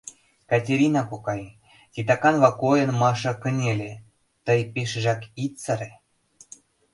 — Катерина кокай, — титаканла койын, Маша кынеле, — тый пешыжак ит сыре...